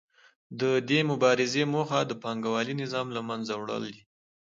د دې مبارزې موخه د پانګوالي نظام له منځه وړل دي